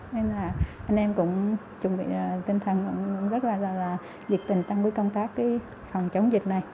nên là anh em cũng chuẩn bị tinh thần rất là diệt tình tăng với công tác phần chống dịch này